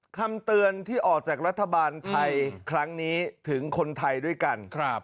คำเตือนที่ออกจากรัฐบาลไทยครั้งนี้ถึงคนไทยด้วยกัน